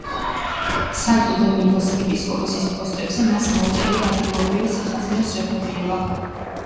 სანტო-დომინგოს ეპისკოპოსის პოსტზე მას მოუწია ადგილობრივი სახაზინოს რეფორმირება.